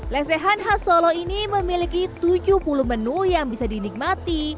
lesehan khas solo ini memiliki tujuh puluh menu yang bisa dinikmati